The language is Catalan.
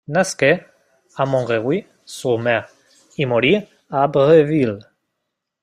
Nasqué a Montreuil-sur-Mer i morí a Abbeville.